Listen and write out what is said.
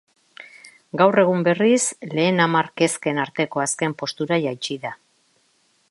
Gaur egun, berriz, lehen hamar kezken arteko azken postura jaitsi da.